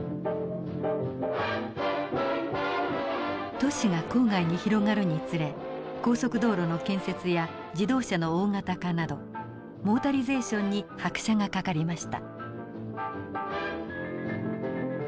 都市が郊外に広がるにつれ高速道路の建設や自動車の大型化などモータリゼーションに拍車がかかりました。